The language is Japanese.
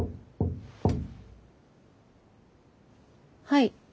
はい。